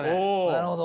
なるほど！